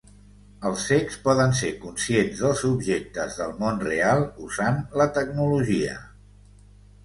Els cecs poden ser conscients dels objectes del món real usant la tecnologia.